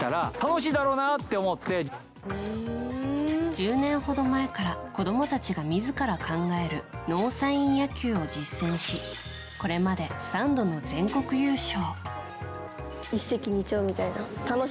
１０年ほど前から子供たちが自ら考えるノーサイン野球を実践しこれまで、３度の全国優勝。